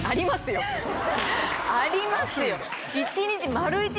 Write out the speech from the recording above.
ありますよ。